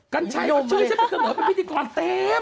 กัญชัยจำเป็นฝ่ายมือพิธีกรเต็ม